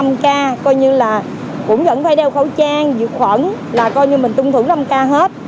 mà cũng vẫn phải đeo khẩu trang dược khuẩn là coi như mình tuân thủ năm k hết